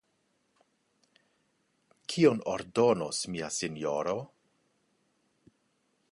Kion ordonos mia sinjoro?